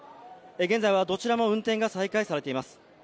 現在はどちらも運転が再開されています。